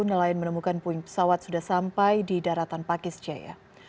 nelayan menemukan puing pesawat sudah sampai di daratan pakis jaya